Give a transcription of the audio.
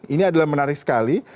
ini adalah menarik sekali